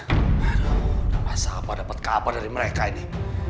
aduh udah masa apa dapet kabar dari mereka ini